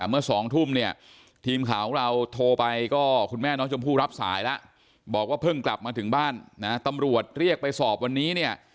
เมื่อ๒ทุ่มเนี่ยทีมข่าวของเราโทรไปก็คุณแม่น้องชมพู่รับสายแล้วบอกว่าเพิ่งกลับมาถึงบ้านนะตำรวจเรียกไปสอบวันนี้เนี่ย